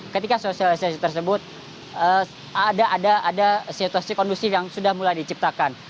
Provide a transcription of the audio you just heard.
ketika sosialisasi tersebut ada situasi kondusif yang sudah mulai diciptakan